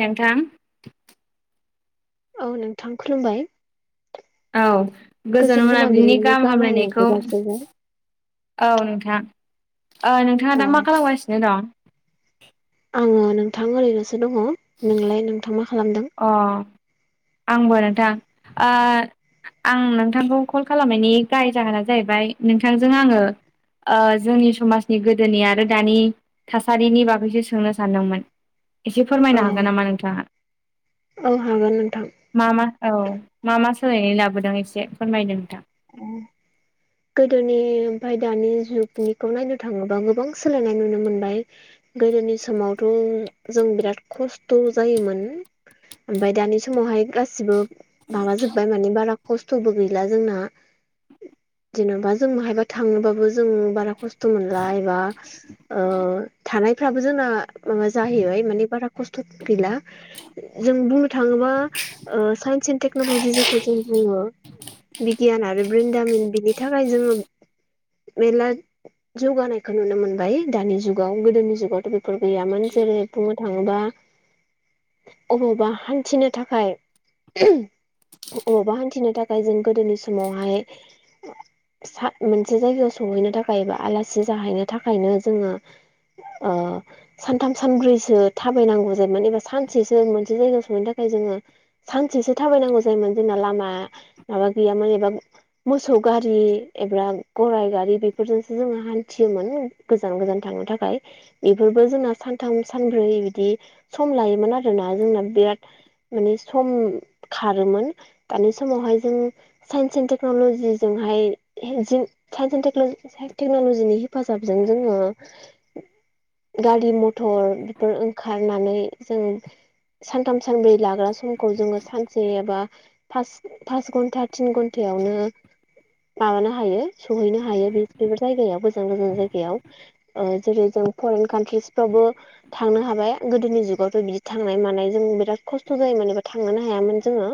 नोंथां औ नोंथां खुलुमबाय औ गोजोनो गोजोन मोनाबनि मोनाबिलिनि गाहाम हामनायखौ हामलायनायखौ जासिहरबाय औ नोंथां नोंथाङा औ दा मा खालामगासिनो दं? आङो नोंथां ओरैनोसो दङ नोंलाय नोंथां मा खालामदों? अ आंबो नोंथां आ आं नोंथांखौ कल खालामनायनि गाय जाहोना जाहैबाय नोंथांजों आङो ओ जोंनि समाजनि गोदोनि आरो दानि थासारिनि बागैसो सोंनो सानदोंमोन एसे औ फोरमायनो हागोन नामा नोंथाङा औ हागोन नोंथां मा मा औ मा मा सोलायनाय लाबोदों एसे फोरमायदों नोंथां [unintelligible] गोदोनि ओमफफ्राय दानि जुगनिखौ नायनो थाङोबा गोबां सोलायनाय नुनो मोनबाय गोदोनि समावथ' जों बिराद खस्थ' जायोमोन ओमफफ्राय दानि समावहाय गासिबो माबाजोबबाय माने बारा खस्थ'बो गैला जोंना जेन'बा जों माहायबा थांनोबाबो जों बारा खस्थ' मोनला एबा ओ थानायफ्राबो जोंना माबा जाहैबाय माने बारा खस्थ' गैला जों बुंनो थाङोबा ओ साइन्स एन्द टेकनलजि जेखौ जों बुङो बिगियान आरो ब्रिन्दामिन बिनि थाखाय जोङो मेलला जौगानायखौ नुनो मोनबाय दानि जुगाव गोदोनि जुगावथ' बे फोर गैयामोन जेरै बुंनो थाङोबा अबावबा हान्थिनो थाखाय बबावबा हान्थिनो थाखाय जों गोदोनि समावहाय सा मोनसे जायगायाव सहैनो थाखाय एबा आलासि जाहैनो थाखायनो जोङो ओ सानथाम सानब्रैसो थाबायनांगौ जायोमोन एबा सानसेसो मोनसे जायगायाव सहैनो थाखाय ओ जोंङो सानसेसो थाबायनांगौ जायोमोन जोंना लामा माबा गैयामोन एबा मो मोसौ गारि एबा गराय गारि बेफोरजोंसो जोङो हान्थियोमोन गोजान गोजान थांनो थाखा [unintelligible] बेफोरबो जोंना सानथाम सानब्रै बिदि सम लायोमोन आरोना जोंना बिराद माने सम खारोमोन दानि समावहाय जों साइन्स एन्ड टेक्न'लजि जोंहाय हेन जे साइस एन टेक्नल' टेक्नलजिनि हेफाजाबजों जोङो गारि मथर बेफोर ओंखारनानै जों सानथाम सानब्रै लाग्रा समखौ जोङो सानसे एबा फास्ट फास्ट घन्टा तिन घन्टायावनो माबानो हायो सहैनो हायो बेफोर जायगायाव गोजान गोजान जायगायाव जेरै जों फरेन कान्ट्रिस फ्रावबो थांनो हाबाय गोदोनि जुगावथ' बिदि थांनाय मानाय जों बिराद खस्थ' जायोमोन एबा थांनोनो हायामोन जोङो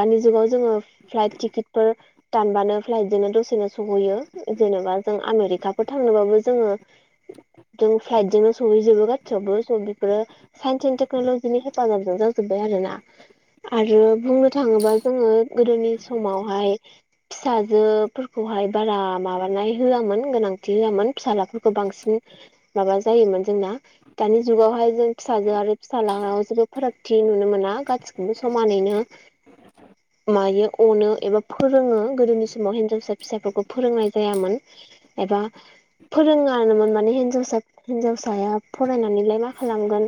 दानि जुगाव जोङो फ्लाइट टिकेट फोर दानबानो फ्लाइट जोंनो दसेनो सहैयो जेनेबा जों आमेरिकाफोर थांनोबाबो जोङो [inaudible] जों फ्लाइट जोंनो सहैजोबो गासियावबो स' बेफोरो साइन्स एन्दड टेक्न'लजिनि हेफाजाबजों जों जोबबाय आरोना आरो बुंनो थाङोबा जोङो गोदोनि समाव हाय फिसाजोफोरखौहाय बारा माबानाय होआमोन गोनांथि होआमोन फिसाला फोरखौ बांसिन माबा जायोमोन जोंना दानि जुगावहाय जों फिसाजो आरो फिसाल जेबो फारागथि नुनो मोना गासिखौबो समानैनो मायो अनो एबा फोरोङो गोदोनि समाव हिनजावसा फिसाफोरखौ फोरोंनाय जायामोन एबा फोरोङानोमोन माने हिनजावसा हिनजावसाया फरायनानैलाय मा खालामगोन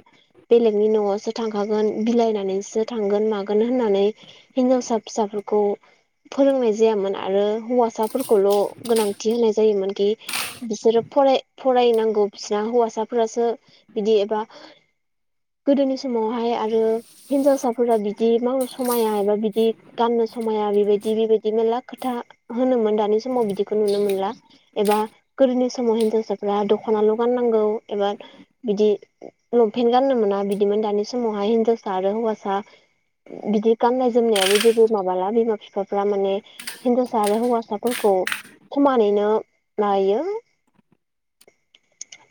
बेलेगनि न'आवसो थांखागोन बिलाइनानैसो थांगोन मागोन होननानै हिनजावसा फिसाफोरखौ खौ फोरोंनाय जायामोन आरो हौवासाफोरखौल' गोनांथि होनाय जायोमोन खि बिसोरो फ फराय-फरायनांगौ फिसना हौवासाफोरासो बिदि एबा गोदोनि समावहाय आरो हिनजावसाफोरा बिदि मावनो समाया एबा बिदि गाननो समाया बेबायदि दि बेबायदि मेरला खोथा होनोमोन दानि समाव बिदिखौ नुनो मोनला एबा गोदोनि समावहाय हिनजावसाफ्रा दख'नाल' गाननांगौ एबा बिदि लंपेन्ट गाननो मोना बिदिमोन दानि समावहाय हिनजावसा आरो हौवासा बिदि गाननाय जोमनायावबो जेबो माबाला बिमा बिफा फ्रा माने हिनजावसा आरो हौवासाफोरखौ समानैनो नायो।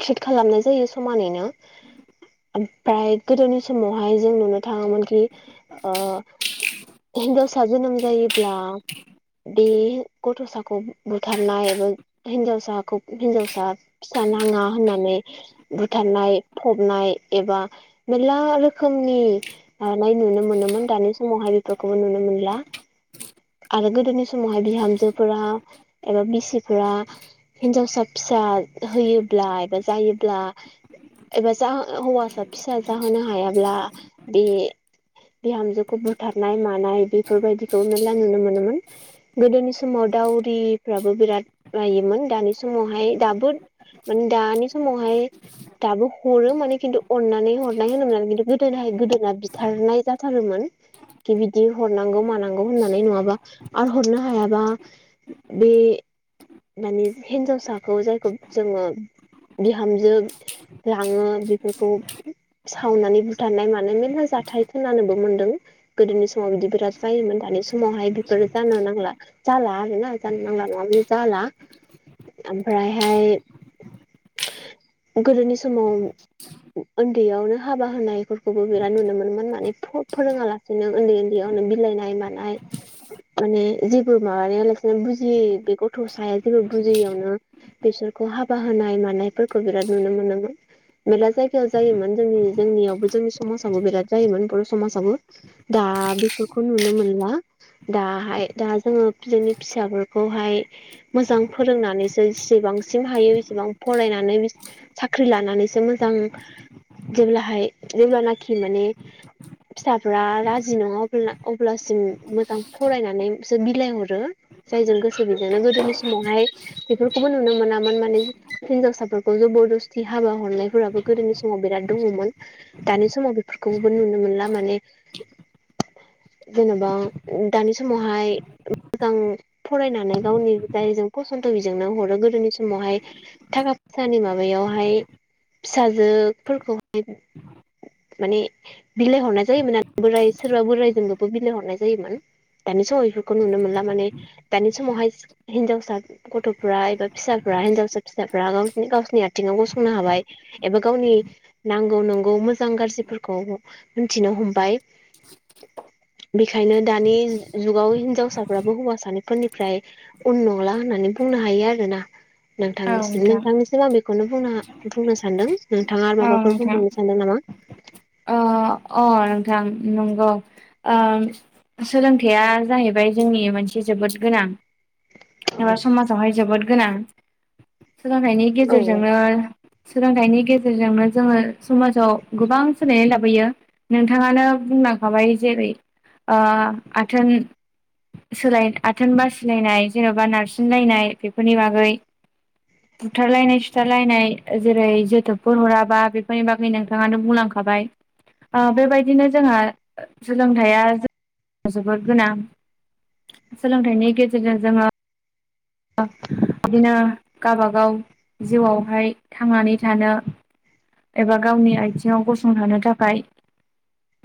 खिथ खालामनाय जायो समानैनो। ओमफाय गोदोनि समावहाय जों नुनो थाङोमोन खि ओ हिनजावसा जोनोम जायोब्ला बे गथ'साखौ बुथारनाय एबा हिन्जावसाखौ हिनजावसा फिसा नां आ होननानै बुथारनाय फबनाय एबा मेरला रोखोमनि ओ नाय नुनो मोनोमोन दानि समावहाय बेफोरखौबो नुनो मोनला। आरो गोदोनि समावहाय बिहामजोफोरा एबा बिसिफोरा हिन्जावसा फिसा होयोब्ला एबा जायोब्ला एबा जा हौवासा फिसा जाहोनो हायाब्ला बे बिहामजोखौ बुथारनाय मानाय बेफोरबायदिखौ मेरला नुनो मोनोमोन। गोदोनि समाव दावरिफ्राबो बिराद लायोमोन दानि समावहाय दाबो मान दानि समावहाय दाबो हरो माने खिन्थु अननानै हरनाय होनोमोन आरो खिन्थु गोदोनाय गोदोना बिथारनाय जाथारोमोन खि बिदि हरनांगौ मानांगौ होननानै नङाबा आर हरनो हायाबा बे मानि हिनजावसाखौ जायखौ जोङो बिहामजो लाङो बेफोरखौ सावनानै बुथारनाय मान नाय मेरला जाथाय खोनानोबो मोनदों गोदोनि समाव बिदि बिराद जायोमोन दानि सम समावहाय बेफोरो जानो नांला। जाला आरोना जान नांला नङाबि जाला। ओमफ्रायहाय गोदोनि समाव ओन दैयावनो हाबा होनायफोरखौबो बिराद नुनो मोनोमोन माने फ फोरोङा लासेनो ओन्दै ओन्दैयावनो बिलाइनाय माना नाय माने जेबो माबाया लासिनो बुजियै बे गथ'सा साया जेबो बुजियैयावनो बिसोरखौ हाबा होनाय मानायफोरखौ बिराद नुनो मोनोमोन। मेरला जायगायाव जायोमोन जोंनि जोंनियावबो जोंनि समाजावबो बिराद जायोमोन बर' समाजावबो। दा दा बेफोरखौ नुनो मोनला। दाहाय दा जोङो जोंनि फिसाफोरखौहाय मोजां फोरोंनानैसो जेसेबांसिम हायो बेसेबां फरायनानै साख्रि लानानैसो मोजां जेब्लाहाय जेब्लानाखि माने फिसाफ्रा राजि नङा अब्ला अब्लासिम मोजां फरायनानै सो बिलाइ हरो जायजों गोसो बिजोंनो। गोदोनि समावहाय बेफोरखौबो नुनो मोनामोन माने। हिनजावसाफोरखौ जबरदस्ति हाबा हरनायफोराबो गोदोनि समाव बिराद दङमोन। दानि समाव बेफोरखौबो नुनो मोनला माने जेन'बा दानि समावहाय मोजां फरायनानै गावनि जायजों फसन्थ' बिजोंनो हरो। गोदोनि समावहाय थाखा फैसानि माबायावहाय फिसाजोफोरखौहाय माने बिलाइ हरनाय जायोमोन आरो बोराय सोरबा बोरायजोंनोबो बिलाइ हरनाय जायोमोन दानि समाव बेफोरखौ नुनो मोनला माने दानि समावहाय हिनजावसा गथ'फ्रा एबा फिसाफा एबा हिनजावसा फिसाफोरा गावसो गावसिनि आथिंआव गसंनो हाबाय एबा गावनि नांगौ नंनौ मोजां गाज्रि फोरखौ मिथिनो हमबाय बेखायनो दानि जुगाव हिनजावसाफ्राबो हौवासानिफोरनिफ्राय उन नंला होननानै बुंनो हा हायो आरोना औ नोंथनिसिम नोंथां नोंथांनिसिम आं बेखौनो बुंनो बुंनो सानदों। नोंथाङा आरो औ माबाफोर नोंथां बुंबावनो सानदों नामा? औ अ नोंथां। नंगौ ओ सोलोंथाइया जाहैबाय जोंनि मोनसे जोबोद गोनां औ एबा समाजावहाय जोबोद गोनां सोलोंथायनि औ गेजेरजोंनो सोलोंथायनि गे गेजेरजोंनो जोङो समाजाव गोबां सोलायनाय लाबोयो नोंथाङानो बुंनांखाबाय जेरै आ आथोन सोलाय आथोन बासिलायनाय जेन'बा नारसिनलायनाय बेफोरनि बागै बुथारलायनाय सुथारलायनाय जेरै जोथोब बोर हराबा बेफोरनि बागै नोंथाङानो बुंलांखाबाय ओ बेबायदिनो जोंहा सोलोंथाइया जो जोबोद गोनां। सोलोंथाइनि गेजेरजों जोङो बिदिनो गाबागाव जिउआवहाय थांनानै थानो एबा गावनि आथिङाव गसंथानो थाखाय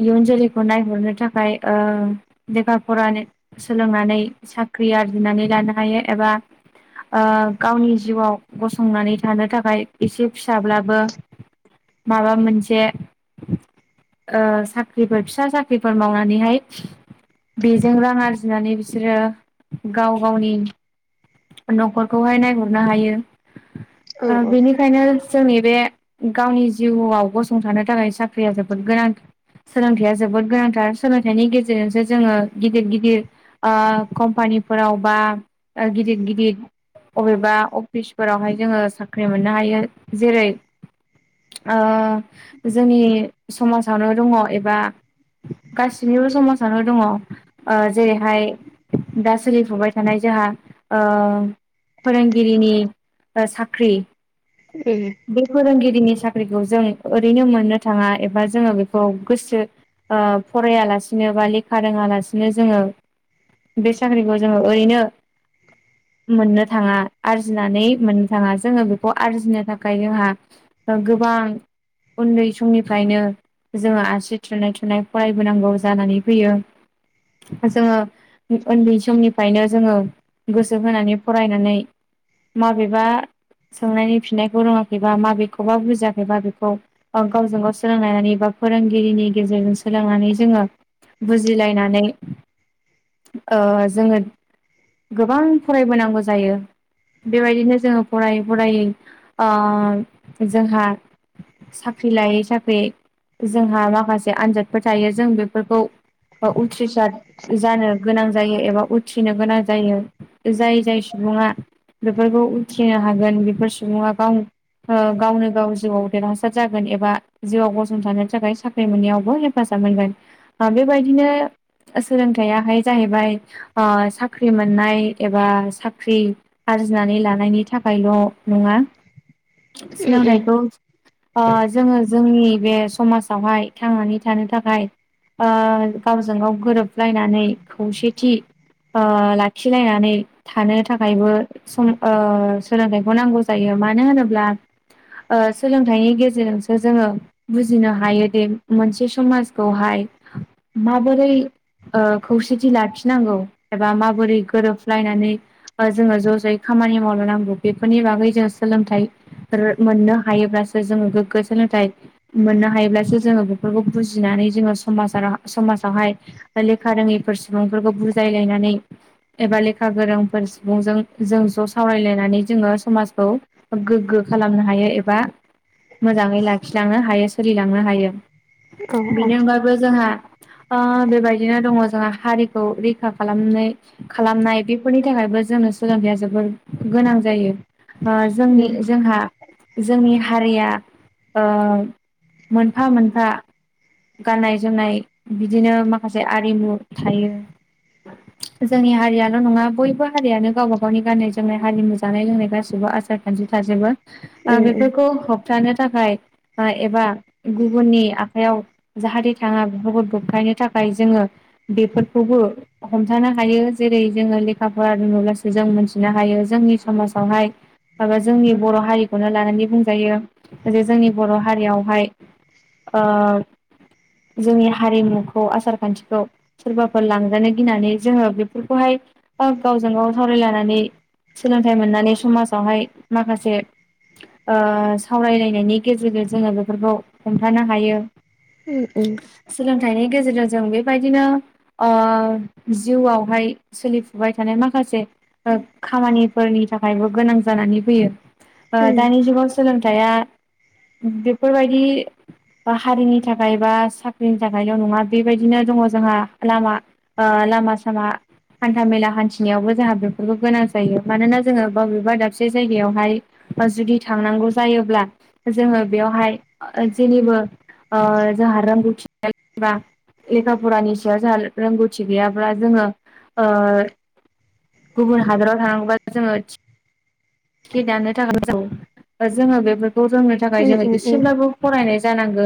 इयुन जोलैखौ नायहरनो थाखाय ओ लेखा फरा सोलोंनानै साख्रि आरजिनानै लानो हायो एबा [inaudible] ओ गावनि जिउआव गसंनानै थानो थाखाय एसे फिसाब्लाबो माबा मोनसे साख्रिफोर फिसा साख्रिफोर मावनानैहाय बेजों रां आरजिनानै बिसोरो गाव गावनि न'खरखौहाय नायहरनो हायो औ ओ औ बेनिखायनो जोंनि बे गावनि जिउआव गसंथानो थाखाय साख्रिया जोबोद गोनां सोलोंथाइया जोबोद गोनांथार सोलोंथाइनि गेजेरजोंसो जोङो गिदिर गिदिर कम्पानिफोराव बा गिदिर गिदिर अबेबा अफिसफोरावहाय जोङो साख्रि मोननो हायो जेरै ओ जोंनि समाजावनो दङ एबा गासिनिबो समाजावनो दङ ओ जेरैहाय दा सोलिफुबाय थानाय जोंहा फोरोंगिरिनि साख्रि उम बे फोरोंगिरिनि साख्रिखौ जों ओरैनो मोननो थाङा एबा जोङो बेखौ गोसो ओ फरायालासिनो बा लेखा रोङालासिनो जोङो बे साख्रिखौ जोङो ओरैनो मोननो थाङा आरजिनानै मोननो थाङा जोङो बेखौ आरजिनो थाखाय थाखाय जोंहा गोबां उन्दै समनिफ्रायनो जोङो आसि थुनाय थुनाय फरायबोनांगौ जानानै फैयो जोङो उन्दै समनिफ्रायनो जोङो गोसो होनानै फरायनानै माबेबा सोंनायनि फिन्नाय फोरोङाखैबा माबेखौबा बुजियाखैबा बेखौ गावजों गाव सोलोंलायनानै बा फोरोंगिरिनि गेजे सोदांनानै जोङो बुजिलायनानै ओ जोङो गोबां फरायबोनांगौ जायो बेबायदिनो जोङो फरायै फरायै ओ जोंहा साख्रि लायै साख्रि जोंहा माखासे आनजादफोर थायो जों बेफोरखौ उथ्रिसार जानो गोनां जायो एबा उथ्रिनो गोनां जायो जाय जाय सुबुङा बेफोरखौ उथ्रिनो हागोन बेफोर सुबुङा गाव गावनो गाव जिउआव देरहासार जागोन एबा जिउआव गसंथानोनि थाखाय साख्रि मोननायावबो हेफाजाब मोनगोन ओ बेबायदिनो सोलोंथायाइयाहाय जाहैबाय ओ‌साख्रि मोननाय एबा साख्रि आ आर्जिनानै लानायनि थाखायल' नङा उम सोलोंथाइखौ ओ जोङो जोंनि बे समाजावहाय थांनानै थानो थाखाय ओ गावजों गाव गोरोबलायनानै खौसेथि ओ लाखिलायनानै थानो थाखायबो सो ओ सोलोंथाइखौ नांगौ जायो मा मानो होनोब्ला ओ सोलोंथाइनि गेजेरजोंसो जोङो बुजिनो हायोदि मोनसे समाजखौहाय माबोरै ओ खौसेथि लाखिनांगौ एबा माबोरै गोरोबलाय नानै जोङो ज' ज'यै खामानि मावलनांगौ बेफोरनि बागै जों सोलोंथाइ रो मोननो हायोब्लासो जोङो गोग्गो सोलोंथाइ मोननो हायोब्लासो जोङो बेफोरखौ बुजिना नै जोंङो समाज समाजआवहाय लेखा रोङैफोर सुबुंफोरखौ बुजायलायनानै एबा लेखा गोरोंफोर सुबुंजों जों ज' सावरायलायनानै जोङो समाजखौ गोग्गो खालामनो हायो एबा मोजाङै लाखिलांनो हायो सोलिलांनो हायो। औ बेनि अनगायैबो जोंहा ओ बेबायदिनो दङो जोंहा हारिखौ रैखा खालामनाय खालामनाय बेफोरनि थाखायबो जोंनो सोलोंथाइया जोबोर गोनां जायो ओ जोंनि उम जोंहा जोंनि हारिया ओ मोनफा मोनफा गाननाय जोमनाय बिदिनो माखासे आरिमु थायो जोंनि हारियाल' नङा बयबो हारियानो गावबा गावनि गाननाय जोमनाय हारिमु जानाय लोंनाय गासिबो आसार थजि थााजसेबो उम बेफोरखौ होबथानो थाखाय एबा गुबुननि आखाइयाव जाहाथे थाङा बेफोरखौ दोबथायनो थाखाय जोङो बेफोरखौबो हमथानो हायो जेरै जोङो लेखा फरा रोङोब्लासो जों मोनथिनो हायो जोंनि समाजावहाय माबा जोंनि बर' हारिखौनो लानानै बुंजायो जे जोंनि बर' हारियावहाय ओ। जोंनि हारिमुखौ आसार खान्थिखौ सोरबाफोर लांजानो गिनानै जोङो बेफोरखौहाय गावजों गाव सावरायलनानै सोलोंथाइ मोननानै समाजावहाय माखासे ओ सावरायलायनायनि गेजेरजों जोङो बेफोरखौ हमथानो हायो उम उम। गेजेरजोंजों बेबायदिनो ओ जिउआवहाय सोलिफुबाय थानाय माखासे ओ खामानिफोरनि थाखायबो गोनां जानानै फैयो ओ दानि जुगाव सोलोंथाइया बेफोरबायदि हारिनि थाखाय बा साख्रिनि थाखायल' नङा बेबायदिनो दङ जोंहा लामाओ लामा सामा हान्था मेला हान्थिनायावबो जोंहा बेफोरखौ गोनां जायो मानोना जोङो बबेबा दाबसे जायगायावहाय जुदि थांनांगौ जोयाब्ला जोंङो बेयावहाय जेनिबो ओ जोंहा रोंगौथि हेल्ब बा लेखा फरानि सायाव जाह रोंगौथि गैयाब्ला जोङो गुब हादराव थानांबा जोंङो टिकेट दाननो थाखाय मो जां जोङो बेफोर खौ रोंनो थाखाय उम जोङो उम उम एसेब्लाबो फरायनाय जानांगोन।